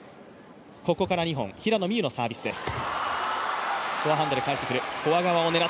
ここから２本、平野美宇のサービスです。